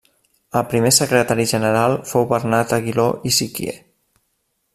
El primer Secretari General fou Bernat Aguiló i Siquier.